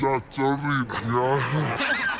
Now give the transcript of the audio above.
น่ะจริบยังไง